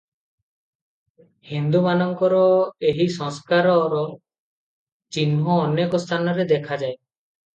ହିନ୍ଦୁମାନଙ୍କର ଏହି ସଂସ୍କାରର ଚିହ୍ନ ଅନେକ ସ୍ଥାନରେ ଦେଖାଯାଏ ।